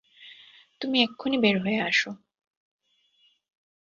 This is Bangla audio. তুমি এক্ষণি বের হয়ে আসো।